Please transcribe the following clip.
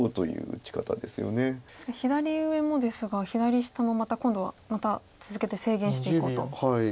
確かに左上もですが左下も今度はまた続けて制限していこうと。